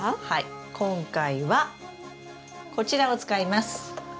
はい今回はこちらを使います。